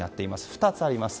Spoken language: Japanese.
２つあります。